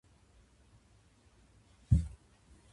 自分の声を録音するってちょっと恥ずかしいよね🫣